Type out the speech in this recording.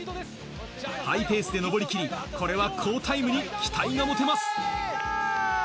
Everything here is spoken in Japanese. ハイペースで登り切り、これは好タイムに期待が持てます。